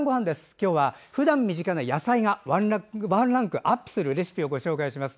今日はふだん身近な野菜がワンランクアップするレシピをご紹介します。